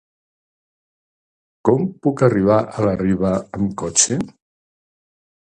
Com puc arribar a la Riba amb cotxe?